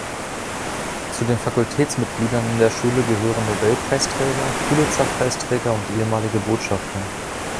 Zu den Fakultätsmitgliedern an der Schule gehören Nobelpreisträger, Pulitzer-Preisträger und ehemalige Botschafter.